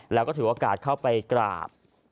แล้วก็ถือโอกาสเข้าไปกราบ